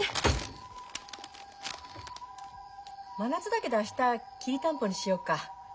真夏だけど明日きりたんぽにしようか。